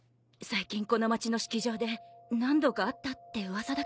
最近この町の式場で何度かあったって噂だけど。